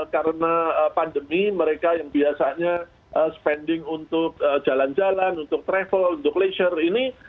karena pandemi mereka yang biasanya spending untuk jalan jalan untuk travel untuk leisure ini